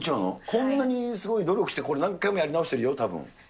こんなにすごい努力して、これ、何回もやり直してるよ、たぶん。